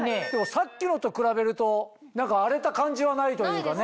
さっきのと比べると荒れた感じはないというかね。